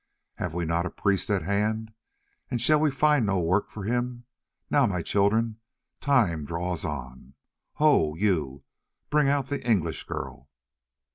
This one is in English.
Have we not a priest at hand, and shall we find no work for him? Now, my children, time draws on. Ho! you, bring out the English girl."